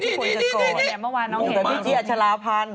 เมื่อวานน้องเห็นมากอยู่ตรงพี่เจียชาราพันธ์